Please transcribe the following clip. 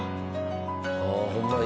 ああホンマや。